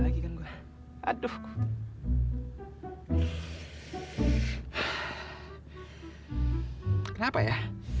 kalo gue simpen simpen aja gue tutup tutupin semuanya